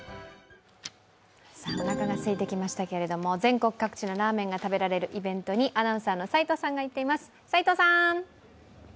おなかが空いてきましたけれども、全国各地のラーメンが食べられるイベントにアナウンサーの齋藤さんが行っています。